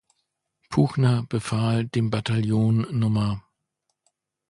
Puchner befahl dem Bataillon Nr.